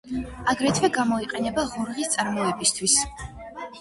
აგრეთვე გამოიყენება ღორღის წარმოებისთვის.